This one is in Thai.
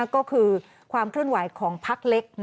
ก็คือความเคลื่อนไหวของพักเล็ก